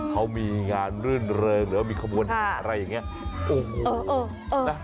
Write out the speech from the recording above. เขามีงานรื่นเริงหรือว่ามีขบวนอะไรแบบนี้